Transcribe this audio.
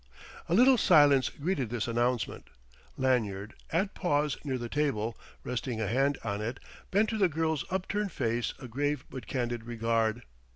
A little silence greeted this announcement. Lanyard, at pause near the table, resting a hand on it, bent to the girl's upturned face a grave but candid regard.